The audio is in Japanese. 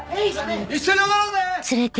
一緒に踊ろうぜ！